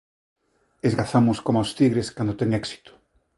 esgazamos coma os tigres canto ten éxito.